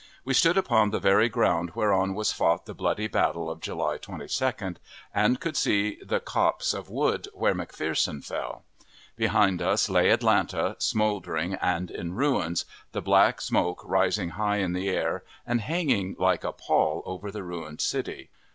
We stood upon the very ground whereon was fought the bloody battle of July 22d, and could see the copse of wood where McPherson fell. Behind us lay Atlanta, smouldering and in ruins, the black smoke rising high in air, and hanging like a pall over the ruined city.